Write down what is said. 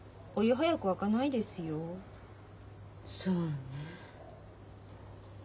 そうね。